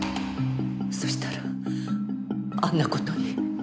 そしたらあんな事に。